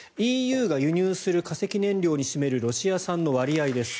ＥＵが輸入する化石燃料に占めるロシア産の割合です。